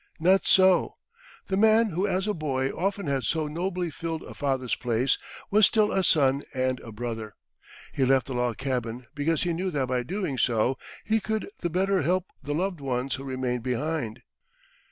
Not so. The man who as a boy often had so nobly filled a father's place was still a son and a brother. He left the log cabin because he knew that by doing so he could the better help the loved ones who remained behind.